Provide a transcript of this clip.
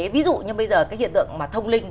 ví dụ như bây giờ cái hiện tượng mà thông linh